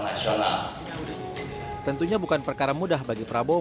jadi maka pks soehubil iman yang diperlukan untuk menerima rekomendasi istimewa ini